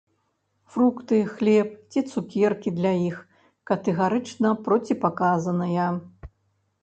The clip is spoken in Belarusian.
Фрукты, хлеб ці цукеркі для іх катэгарычна проціпаказаныя.